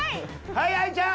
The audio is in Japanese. はいＡＩちゃん！